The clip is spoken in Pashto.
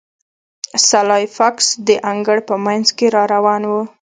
سلای فاکس د انګړ په مینځ کې را روان و